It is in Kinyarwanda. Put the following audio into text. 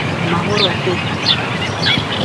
amahoro asesuye